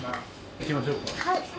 行きましょうか。